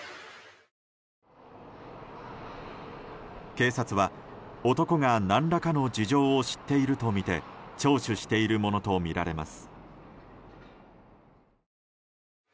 警察は、男が何らかの事情を知っているとみて聴取しているものとみられます。